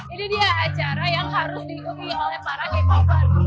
ini dia acara yang harus diikuti oleh para k poper